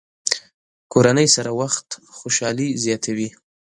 کورنۍ سره وخت خوشحالي زیاتوي.